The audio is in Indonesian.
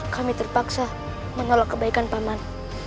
kami terpaksa menolak kebaikan paman